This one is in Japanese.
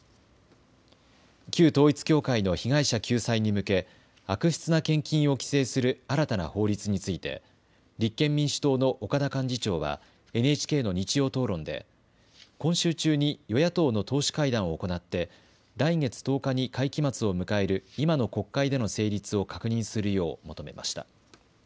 旧統一教会の被害者救済に向け悪質な献金を規制する新たな法律について立憲民主党の岡田幹事長はＮＨＫの日曜討論で今週中に与野党の党首会談を行って来月１０日に会期末を迎える今の国会での成立を確認するよう求めました。